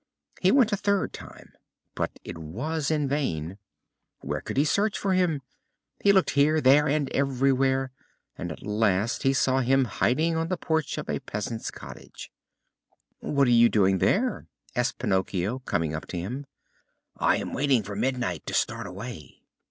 He went a third time, but it was in vain. Where could he search for him? He looked here, there, and everywhere, and at last he saw him hiding on the porch of a peasant's cottage. "What are you doing there?" asked Pinocchio, coming up to him. "I am waiting for midnight, to start away."